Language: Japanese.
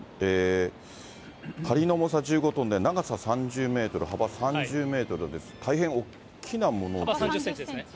はりの重さ１５トンで、長さ３０メートル、幅３０メートルです、大変大きなものですね。